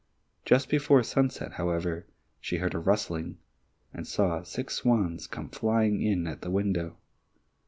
Just before sunset, however, she heard a rustling, and saw six swans come flying in at the window.